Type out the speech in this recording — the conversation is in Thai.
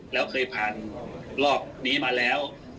แล้วเคยผ่านรอบนี้มาแล้ว